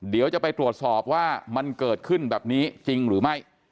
เดี๋ยวจะไปตรวจสอบว่ามันเกิดขึ้นแบบนี้จริงหรือไม่